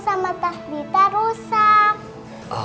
sama tas dita rusak